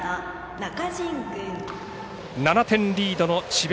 ７点リードの智弁